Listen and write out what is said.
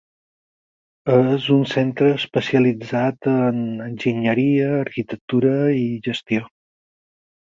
És un centre especialitzat en Enginyeria, Arquitectura i Gestió.